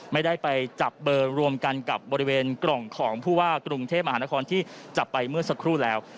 ไม่ได้ไปจับเบอร์รวมกันกับบริเวณกล่องของผู้ว่ากรุงเทพมหานครที่จับไปเมื่อสักครู่แล้ว